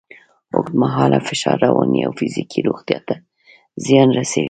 اوږدمهاله فشار رواني او فزیکي روغتیا ته زیان رسوي.